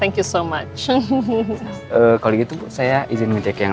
tentu saja disparat ngis no to know